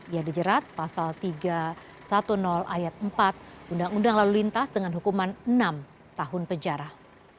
ia dijerat pasal tiga ratus sepuluh ayat empat undang undang lalu lintas dengan hukuman enam tahun penjara